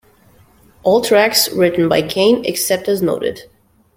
All tracks written by Cain except as noted.